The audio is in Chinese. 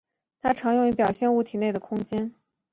它常用于表现物体内的空间。